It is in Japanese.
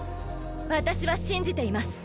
私は信じています。